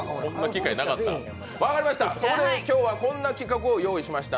分かりました、そこで今日はこんな企画を用意しました。